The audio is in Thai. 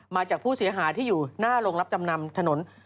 มาจากผู้เสียหายที่อยู่หน้าโรงรับจำนำถนน